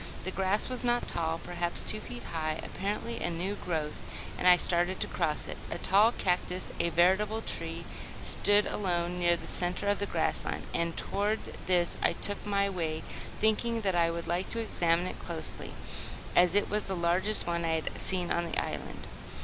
The grass was not tall, perhaps two feet high, apparently a new growth, and I started to cross it. A tall cactus, a veritable tree, stood alone near the centre of the grassland, and toward this I took my way, thinking that I would like to examine it closely, as it was the largest one I had seen on the island.